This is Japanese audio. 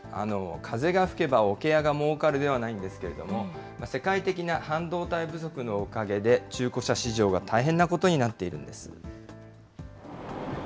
風が吹けば桶屋がもうかるではないんですけれども、世界的な半導体不足のおかげで、中古車市場が大変なことになっているんです。